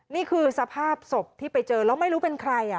นี่คือสภาพศพที่ไปเจอแล้วไม่รู้เป็นใคร